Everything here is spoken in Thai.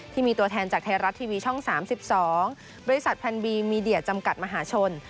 ที่มีตัวแทนจากไทยรัฐทีวีช่อง๓๒บริษัทแพลนบีมีเดียจำกัดมหาชน